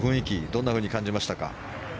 どんなふうに感じましたか？